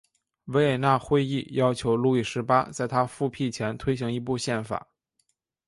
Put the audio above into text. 维也纳会议要求路易十八在他复辟前推行一部宪法。